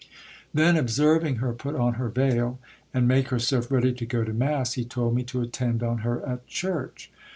Then, observing her put on her veil, and make herself ready to go to mass, he told me to attend on her at church.